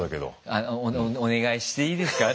「あのお願いしていいですか」